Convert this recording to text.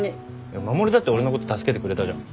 守だって俺のこと助けてくれたじゃん。